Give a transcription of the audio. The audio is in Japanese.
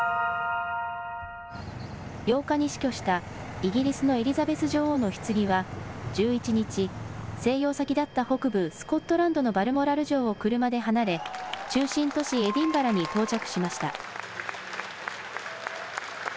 ８日に死去したイギリスのエリザベス女王のひつぎは１１日、静養先だった北部スコットランドのバルモラル城を車で離れ中心都市エディンバラに到着しました。